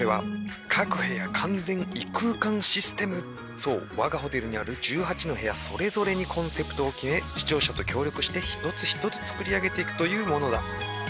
「そう我がホテルにある１８の部屋それぞれにコンセプトを決め視聴者と協力して一つ一つ作り上げていくというものだ」。